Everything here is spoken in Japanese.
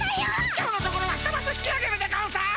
今日のところはひとまず引きあげるでゴンス！